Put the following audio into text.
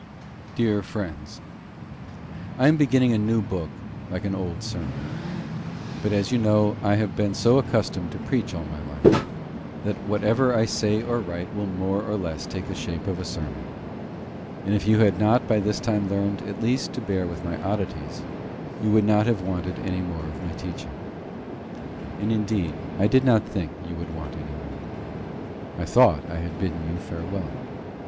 Dear Friends, I am beginning a new book like an old sermon; but, as you know, I have been so accustomed to preach all my life, that whatever I say or write will more or less take the shape of a sermon; and if you had not by this time learned at least to bear with my oddities, you would not have wanted any more of my teaching. And, indeed, I did not think you would want any more. I thought I had bidden you farewell.